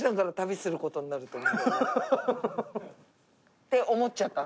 って思っちゃった。